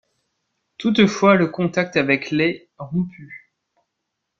Toutefois le contact avec l' est rompu.